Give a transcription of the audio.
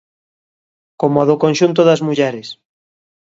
Como a do conxunto das mulleres.